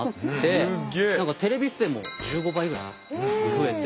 テレビ出演も１５倍ぐらいに増えて。